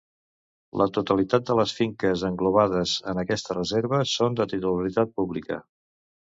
La totalitat de les finques englobades en aquesta Reserva són de titularitat pública.